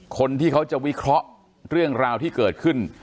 คนที่เขาจะวิเคราะห์เรื่องราวที่เกิดขึ้น